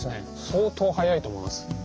相当速いと思います。